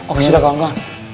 oke sudah kawan kawan